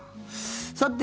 さて、